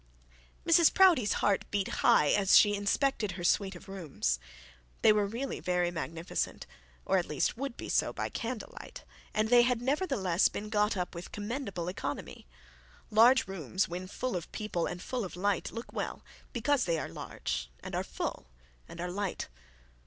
Mrs Proudie's heart beat high as she inspected her suite of rooms. They were really very magnificent, or at least would be so by candlelight; and they had nevertheless been got up with commendable economy. Large rooms when full of people, and full of light look well, because they are large, and are full, and are light.